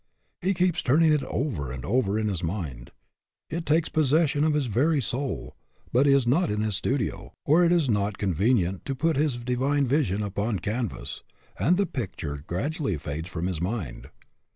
He keeps turning it over and over in his mind. It takes possession of his very soul, but he is not in his studio, or it is not con venient to put his divine vision upon canvas, and the picture gradually fades from his mind.